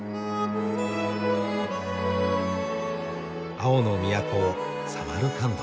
青の都サマルカンド。